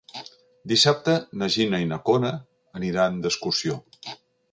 Dissabte na Gina i na Cora aniran d'excursió.